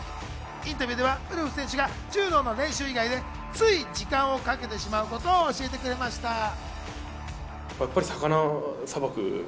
インタビューではウルフ選手が柔道の練習以外で、つい時間をかけてしまうことを教えてくれました。